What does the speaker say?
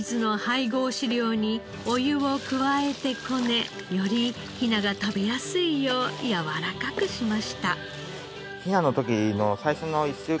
飼料にお湯を加えてこねよりヒナが食べやすいよう柔らかくしました。